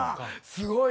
すごい。